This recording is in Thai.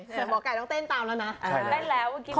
หมอกัยต้องเต้นตามแล้วนะ